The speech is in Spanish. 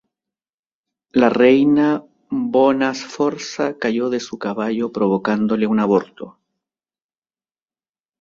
La reina Bona Sforza cayó de su caballo provocándole un aborto.